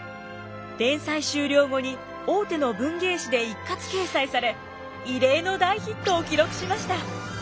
連載終了後に大手の文芸誌で一括掲載され異例の大ヒットを記録しました。